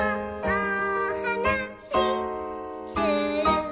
おはなしする」